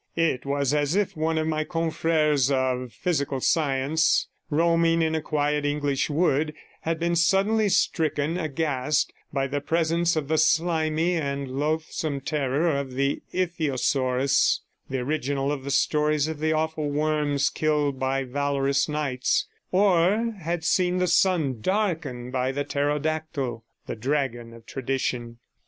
It was as if one of my confreres of physical science, roaming in a quiet English wood, had been suddenly stricken aghast by the presence of the slimy and loathsome terror of the ichthyosaurus, the original of the stories of the awful worms killed by valourous knights, or had seen the sun darkened by the pterodactyl, the dragon of tradition.